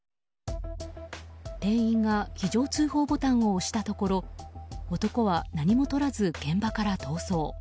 店員が非常通報ボタンを押したところ男は何もとらず現場から逃走。